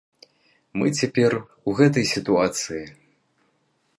Мы цяпер у гэтай сітуацыі.